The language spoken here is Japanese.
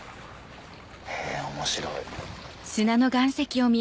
へぇ面白い。